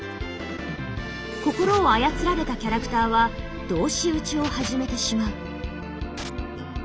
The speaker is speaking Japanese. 心を操られたキャラクターは同士討ちを始めてしまう。